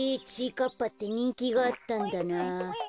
かっぱってにんきがあったんだな。